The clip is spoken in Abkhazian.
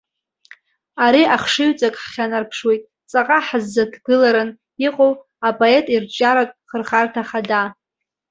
Ари ахшыҩҵак ҳхьанарԥшуеит, ҵаҟа ҳаззаҭгыларан иҟоу, апоет ирҿиаратә хырхарҭа хада.